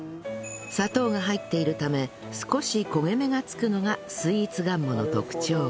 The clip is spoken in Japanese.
砂糖が入っているため少し焦げ目が付くのがスイーツがんもの特徴